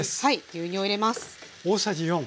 牛乳を入れます。